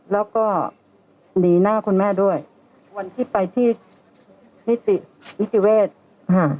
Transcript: แล้วก็หนีหน้าคุณแม่ด้วยวันที่ไปที่นิตินิติเวศค่ะ